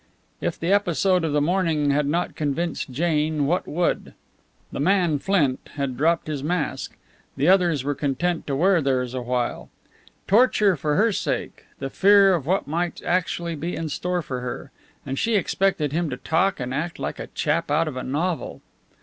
If the episode of the morning had not convinced Jane, what would? The man Flint had dropped his mask; the others were content to wear theirs yet awhile. Torture for her sake, the fear of what might actually be in store for her, and she expected him to talk and act like a chap out of a novel!